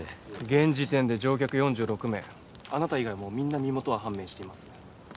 現時点で乗客４６名あなた以外もうみんな身元は判明しています